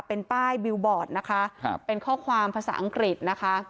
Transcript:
เป็นป้ายบิลบอร์ดนะคะครับเป็นข้อความภาษาอังกฤษนะคะ